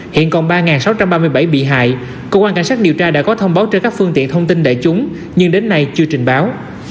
hiện còn ba sáu trăm ba mươi bảy bị hại cơ quan cảnh sát điều tra đã có thông báo trên các phương tiện thông tin đại chúng nhưng đến nay chưa trình báo